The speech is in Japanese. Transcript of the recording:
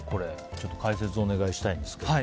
解説をお願いしたいんですけども。